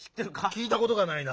きいたことがないな。